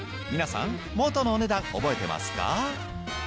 皆さん元のお値段覚えてますか？